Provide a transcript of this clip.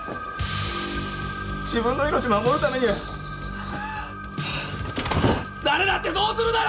自分の命守るために誰だってそうするだろ！